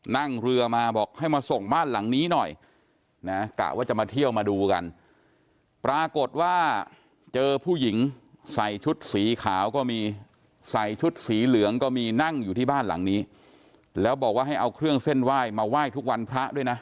นั่งเรือมาบอกให้มาส่งบ้านหลังนี้หน่อยนะกะว่าจะมาเที่ยวมาดูกันปรากฏว่าเจอผู้หญิงใส่ชุดสีขาวก็มีใส่ชุดสีเหลืองก็มีนั่งอยู่ที่บ้านหลังนี้แล้วบอกว่าให้เอาเครื่องเส้นไหว้มาไหว้ทุกวันพระด้วยนะ